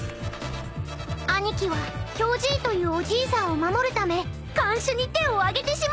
［兄貴はヒョウじいというおじいさんを守るため看守に手を上げてしまったでやんす］